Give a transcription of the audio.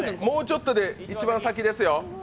もうちょっとで一番先ですよ。